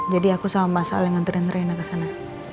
jadi aku sama mas alia ngeranturin rena kesana